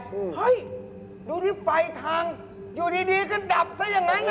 เฮ้ยดูที่ไฟทางอยู่ดีดีก็ดับซะอย่างนั้น